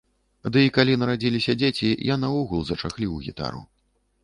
Ды і калі нарадзіліся дзеці, я наогул зачахліў гітару.